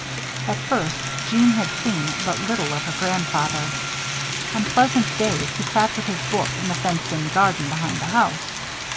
At first, Jeanne had seen but little of her grandfather. On pleasant days he sat with his book in the fenced in garden behind the house.